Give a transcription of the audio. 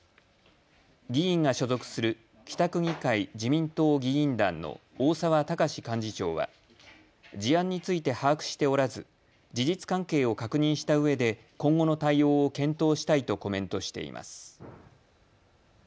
議員が所属する北区議会自民党議員団の大澤敬幹事長は事案について把握しておらず、事実関係を確認したうえで今後の対応を検討したいとコメントしています。